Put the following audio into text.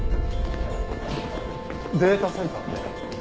データセンターって？